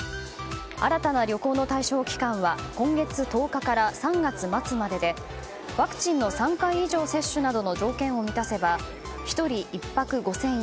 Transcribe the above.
新たな旅行の対象期間は今月１０日から３月末まででワクチンの３回以上接種などの条件を満たせば１人１泊５０００円